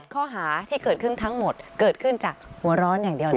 ข้อหาที่เกิดขึ้นทั้งหมดเกิดขึ้นจากหัวร้อนอย่างเดียวเลย